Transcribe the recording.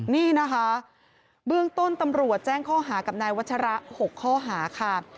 นี่นะคะเบื้องต้นตำรวจแจ้งข้อหากับนายวัชระ๖ข้อหาค่ะ